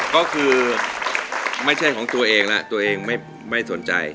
ก็คือไม่ใช่ของตัวเองแล้วตัวเองไม่สนใจ